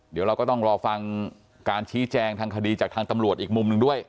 เดี๋ยวเราก็ต้องรอฟังการชี้แจงทางคดีจากทางตำรวจอีกมุมหนึ่งด้วย